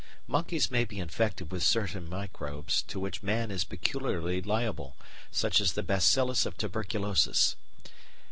Monkeys may be infected with certain microbes to which man is peculiarly liable, such as the bacillus of tuberculosis.